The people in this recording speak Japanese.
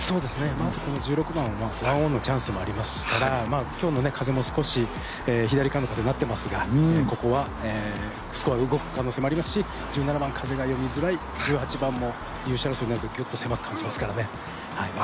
まずこの１６番は１オンのチャンスもありますから今日の風も左からの風になっていますがここはスコアが動く可能性もありますし、１７番は風が読みづらい１８番もぎゅっと狭く感じますからね。